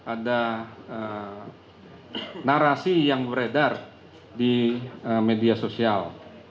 ada narasi yang beredar di media sosial